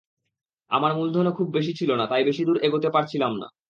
আবার মূলধনও খুব বেশি ছিল না, তাই বেশি দূর এগোতে পারছিলাম না।